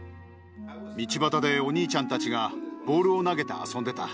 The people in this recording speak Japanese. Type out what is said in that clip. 道端でお兄ちゃんたちがボールを投げて遊んでた。